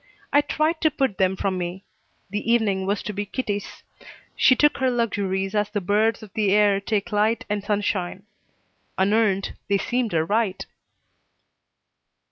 I tried to put them from me. The evening was to be Kitty's. She took her luxuries as the birds of the air take light and sunshine. Unearned, they seemed a right.